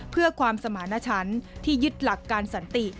เพื่อความสมาณชั้นที่ยึดหลักการสันติ